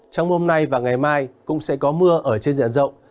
trong hôm nay và ngày mai cũng sẽ có mưa ở trên diện rộng